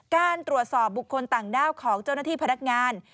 การตรวจสอบบุคคลต่างด้าวของเจ้าหน้าที่พนักงาน